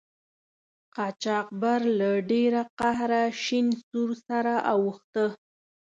قاچاقبر له ډیره قهره شین سور سره اوښته.